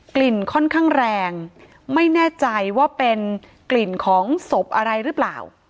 กลิ่นค่อนข้างแรงไม่แน่ใจว่าเป็นกลิ่นของศพอะไรหรือเปล่า